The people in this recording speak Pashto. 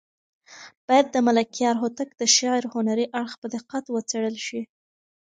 باید د ملکیار هوتک د شعر هنري اړخ په دقت وڅېړل شي.